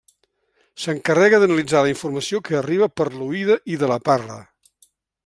S'encarrega d'analitzar la informació que arriba per l'oïda i de la parla.